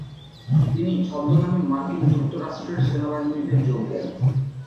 তিনি ছদ্মনামে মার্কিন যুক্তরাষ্ট্রের সেনাবাহিনীতে যোগ দেন।